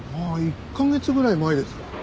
１カ月ぐらい前ですか。